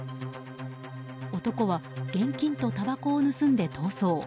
男は現金とたばこを盗んで逃走。